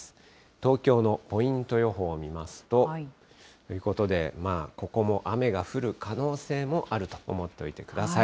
東京のポイント予報を見ますと、ここも雨が降る可能性があると思っておいてください。